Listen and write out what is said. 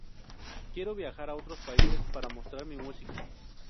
Quiero viajar a otros países para mostrar mi música.